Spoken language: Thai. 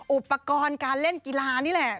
อุปกรณ์การเล่นกีฬานี่แหละ